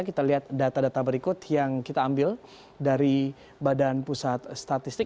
kita lihat data data berikut yang kita ambil dari badan pusat statistik